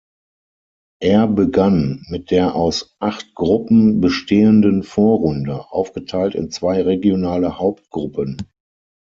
Er begann mit der aus acht Gruppen bestehenden Vorrunde, aufgeteilt in zwei regionale Hauptgruppen.